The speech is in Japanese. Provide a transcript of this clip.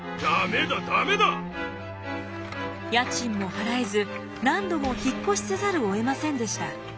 家賃も払えず何度も引っ越しせざるをえませんでした。